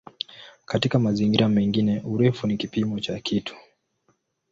Katika mazingira mengine "urefu" ni kipimo cha kitu.